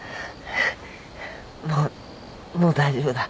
もうもう大丈夫だ。